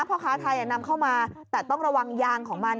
พ่อค้าไทยนำเข้ามาแต่ต้องระวังยางของมัน